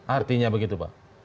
artinya begitu pak